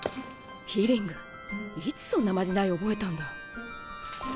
ヒリングいつそんなまじない覚えたんだ？